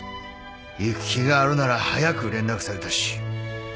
行く気があるなら早く連絡されたし」